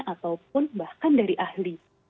ataupun bahkan dari ahli